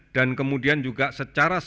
dan kemudian juga secara terbaik